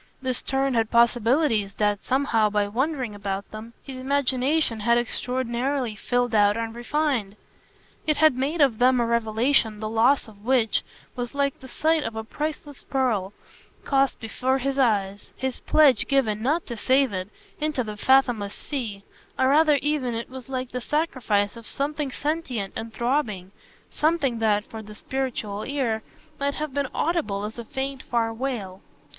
This turn had possibilities that, somehow, by wondering about them, his imagination had extraordinarily filled out and refined. It had made of them a revelation the loss of which was like the sight of a priceless pearl cast before his eyes his pledge given not to save it into the fathomless sea, or rather even it was like the sacrifice of something sentient and throbbing, something that, for the spiritual ear, might have been audible as a faint far wail.